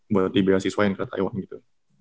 berarti beasiswa yang ke taiwan gitu